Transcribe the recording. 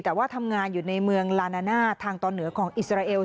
แต่ว่าทำงานอยู่ในเมืองลานาน่าทางตอนเหนือของอิสราเอล